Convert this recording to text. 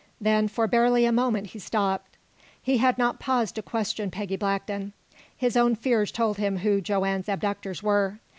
Then for barely a moment he stopped. He had not paused to question Peggy Blackton. His own fears told him who Joanne's abductors were.